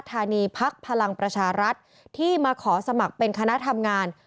ธานีพักพลังประชารัฐที่มาขอสมัครเป็นคณะทำงาน